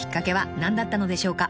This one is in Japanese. ［何だったのでしょうか？］